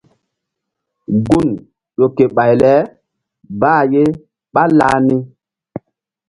Gun ƴo ke ɓay le bah ye ɓálah ni.